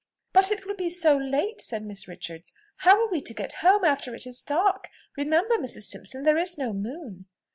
"But it will be so late!" said Miss Richards. "How are we to get home after it is dark? Remember, Mrs. Simpson, there is no moon."